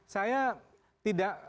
saya tidak begitu menghapusnya